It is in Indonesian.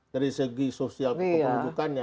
dari segi sosial kekeluhukan